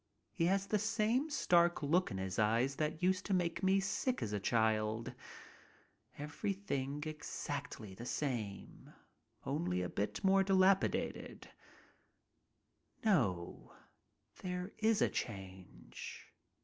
He has that same stark look in his eyes that used to make me sick as a child. Everything exactly the same, only a bit more dilapidated. No. There is a change.